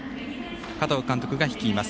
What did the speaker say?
加藤監督が率います。